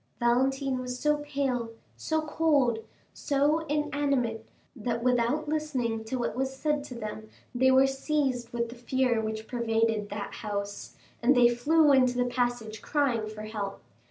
Valentine was so pale, so cold, so inanimate that without listening to what was said to them they were seized with the fear which pervaded that house, and they flew into the passage crying for help.